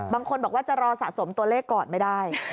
บางคนบอกว่าจะรอสะสมตัวเลขก่อนไม่ได้